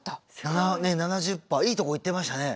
７０％いいとこいってましたね。